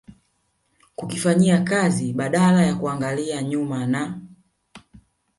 kukifanyia kazi badala ya kuangalia nyuma na